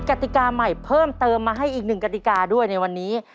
กติกาใหม่เพิ่มเติมมาให้อีกหนึ่งกติกาด้วยในวันนี้